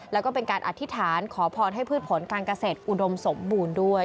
แล้วก็เป็นการอธิษฐานขอพรให้พืชผลการเกษตรอุดมสมบูรณ์ด้วย